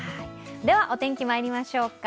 お天気まいりましょうか。